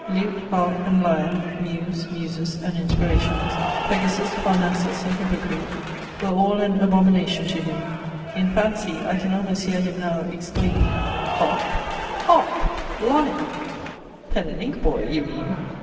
Lute, harp, and lyre, Muse, Muses, and inspirations, Pegasus, Parnassus, and Hippocrene were all an abomination to him. In fancy I can almost hear him now, exclaiming "Harp? Harp? Lyre? Pen and ink, boy, you mean!